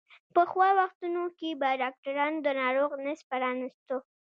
په پخوا وختونو کې به ډاکترانو د ناروغ نس پرانستلو.